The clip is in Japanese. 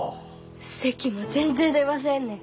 せきも全然出ませんねん。